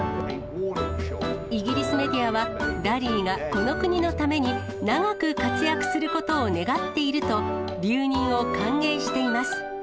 イギリスメディアは、ラリーがこの国のために、長く活躍することを願っていると、留任を歓迎しています。